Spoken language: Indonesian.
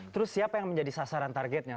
terus siapa yang menjadi sasaran targetnya